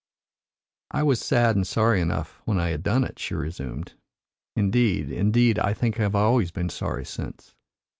"I was sad and sorry enough when I had done it," she resumed. "Indeed, indeed, I think I have always been sorry since.